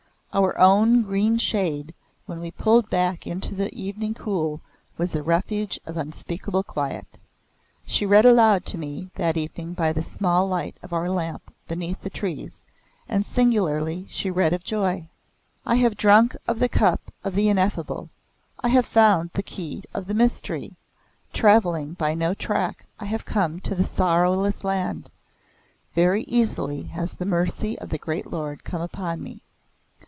"Our own green shade, when we pulled back to it in the evening cool, was a refuge of unspeakable quiet. She read aloud to me that evening by the small light of our lamp beneath the trees, and, singularly, she read of joy. "I have drunk of the Cup of the Ineffable, I have found the key of the Mystery, Travelling by no track I have come to the Sorrowless Land; very easily has the mercy of the great Lord come upon me.